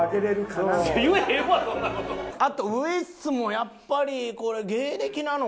あとウイッスもやっぱりこれ芸歴なのかな？